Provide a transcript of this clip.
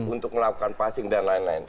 untuk melakukan passing dan lain lain